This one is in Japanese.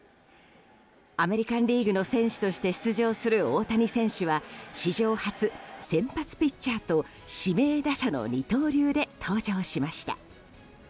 アメリカン・リーグの選手として出場する大谷選手は史上初、先発ピッチャーと指名打者の二刀流で登場しました。